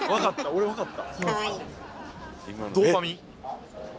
俺分かった。